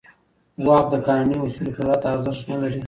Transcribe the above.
واک د قانوني اصولو پرته ارزښت نه لري.